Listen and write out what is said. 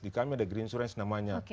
di kami ada greensurance namanya